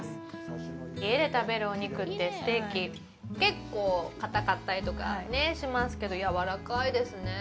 家で食べるお肉って、ステーキ結構かたかったりとかしますけどやわらかいですね。